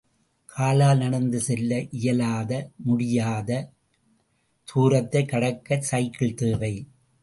காலால் நடந்து செல்ல இயலாத முடியாத தூரத்தைக் கடக்க சைக்கிள் தேவை.